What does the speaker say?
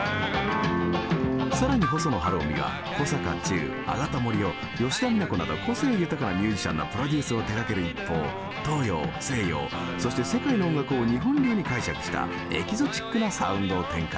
更に細野晴臣は小坂忠あがた森魚吉田美奈子など個性豊かなミュージシャンのプロデュースを手がける一方東洋西洋そして世界の音楽を日本流に解釈したエキゾチックなサウンドを展開。